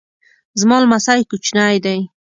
زما لمسی کوچنی دی